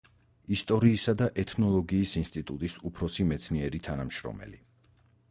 ისტორიისა და ეთნოლოგიის ინსტიტუტის უფროსი მეცნიერი თანამშრომელი.